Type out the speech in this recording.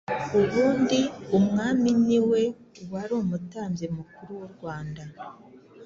ubundi umwami niwe wari umutambyi mukuru w'u Rwanda.